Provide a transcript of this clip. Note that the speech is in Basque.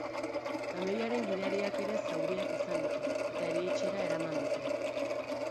Kamioiaren gidariak ere zauriak izan ditu eta erietxera eraman dute.